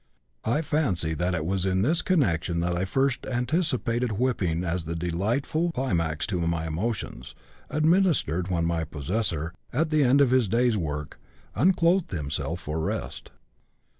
I fancy that it was in this connection that I first anticipated whipping as the delightful climax to my emotions, administered when my possessor, at the end of his day's work, unclothed himself for rest.